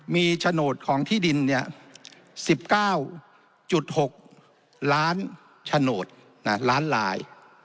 มีโฉนดของที่ดิน๑๙๖ล้านโฉนดล้านลาย